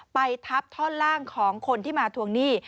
ไปทับท่อนล่างของคนที่มาทวงหนี้